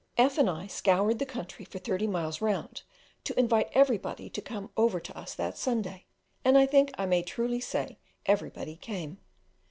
F and I scoured the country for thirty miles round to invite everybody to come over to us that Sunday; and I think I may truly say everybody came.